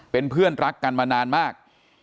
เป็นเพื่อนรักกันมานานมาก